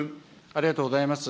ありがとうございます。